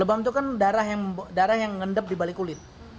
lebam tuh kan darah yang darah yang ngendep dibalik kulit